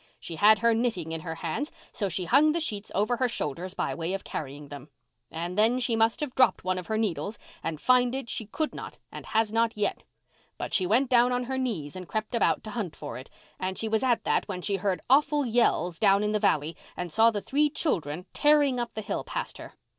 She had her knitting in her hands so she hung the sheets over her shoulders by way of carrying them. And then she must have dropped one of her needles and find it she could not and has not yet. But she went down on her knees and crept about to hunt for it, and she was at that when she heard awful yells down in the valley and saw the three children tearing up the hill past her.